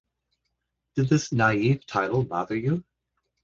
Did this naive title bother you?